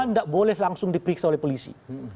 anda boleh langsung diperiksa oleh polisi